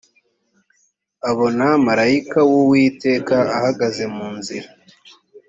abona marayika w‘uwiteka ahagaze mu nzira